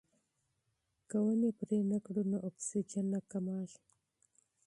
که ونې پرې نه کړو نو اکسیجن نه کمیږي.